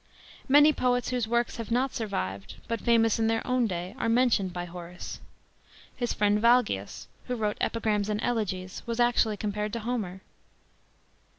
Many poets, whose works have not survived, but famous in their own day, are mentioned by Horace. His friend V ALGIUS, who wrote Epigrams and Elegies, was actually compared to Homer.